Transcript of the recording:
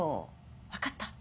分かった？